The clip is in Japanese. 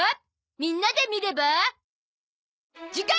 みんなで見れば？